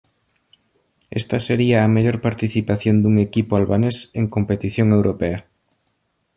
Esta sería a mellor participación dun equipo albanés en competición europea.